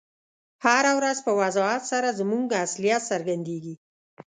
هره ورځ په وضاحت سره زموږ اصلیت څرګندیږي.